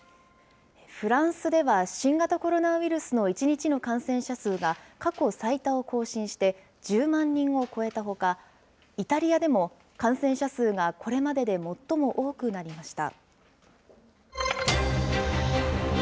フランスでは新型コロナウイルスの１日の感染者数が過去最多を更新して、１０万人を超えたほか、イタリアでも感染者数がこれまでで最も多くなりました。